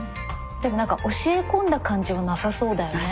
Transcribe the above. でも何か教え込んだ感じはなさそうだよね。